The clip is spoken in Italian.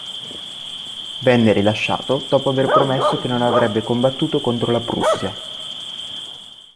Venne rilasciato dopo aver promesso che non avrebbe combattuto contro la Prussia.